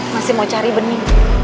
masih mau cari bening